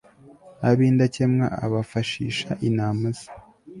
ab'indakemwa abafashisha inama ze